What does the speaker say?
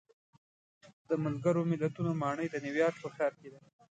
د ملګرو ملتونو ماڼۍ د نیویارک په ښار کې ده.